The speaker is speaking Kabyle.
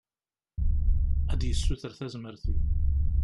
Ad d-yessuter tazmert-iw.